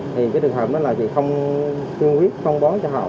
thì cái trường hợp đó là chị không tuyên quyết không bó cho họ